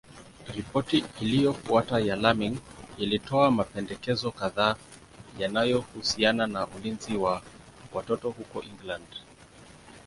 Ripoti iliyofuata ya Laming ilitoa mapendekezo kadhaa yanayohusiana na ulinzi wa watoto huko England.